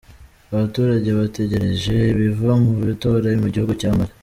Abaturage bategereje ibiva mu matora Mugihugu Cya Mali